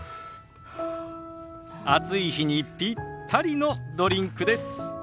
暑い日にピッタリのドリンクです。